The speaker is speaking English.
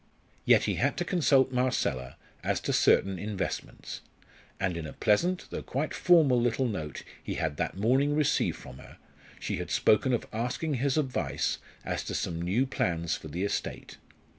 Yet he had to consult Marcella as to certain investments, and in a pleasant though quite formal little note he had that morning received from her she had spoken of asking his advice as to some new plans for the estate.